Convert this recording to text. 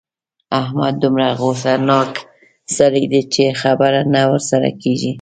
احمد دومره غوسناک سړی دی چې خبره نه ورسره کېږي.